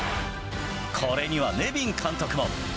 これにはネビン監督も。